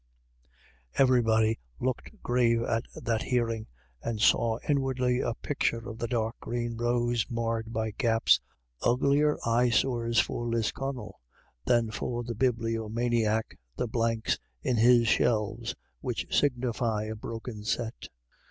Everybody looked grave at that hearing, and saw inwardly a picture of the . dark green rows marred by gaps, uglier eyesores for Lisconnel than for the bibliomaniac the blanks in his shelves which signify a broken set.